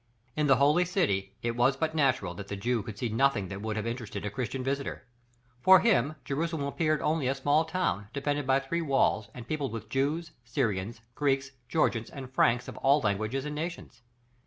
In the holy city, it was but natural that the Jew could see nothing that would have interested a Christian visitor. For him, Jerusalem appeared only a small town, defended by three walls and peopled with Jews, Syrians, Greeks, Georgians, and Franks of all languages and nations.